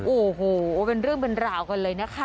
โอ้โหเป็นเรื่องเป็นราวกันเลยนะคะ